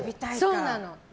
そうなの。